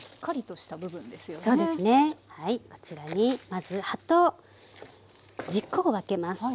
こちらにまず葉と軸を分けます。